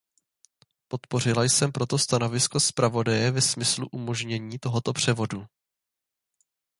Podpořila jsem proto stanovisko zpravodaje ve smyslu umožnění tohoto převodu.